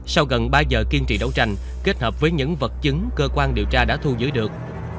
sau gần ba giờ kiên trì đấu tranh kết hợp với những vật chứng cơ quan điều tra đã thu giữ được